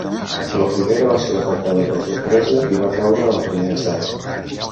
La primera va ser atacada per sorpresa i va caure al primer assalt.